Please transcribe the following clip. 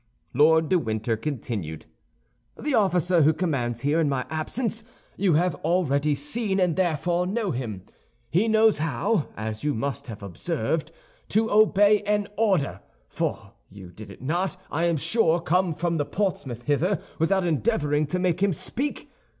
Lord de Winter continued: "The officer who commands here in my absence you have already seen, and therefore know him. He knows how, as you must have observed, to obey an order—for you did not, I am sure, come from Portsmouth hither without endeavoring to make him speak.